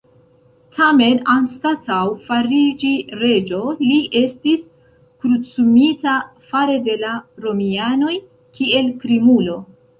Tamen, anstataŭ fariĝi reĝo, li estis krucumita fare de la romianoj kiel krimulo.